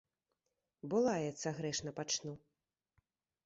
Бо лаяцца грэшна пачну.